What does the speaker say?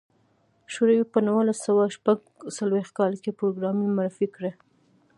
شوروي په نولس سوه شپږ څلوېښت کال کې پروګرام معرفي کړ.